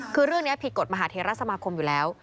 คือเรื่องนี้ผิดกฎมหาเทราสมาคมอยู่แล้ว